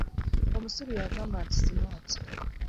Omusiru yagamba nti simanti .